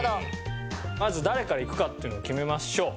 まず誰からいくかっていうのを決めましょう。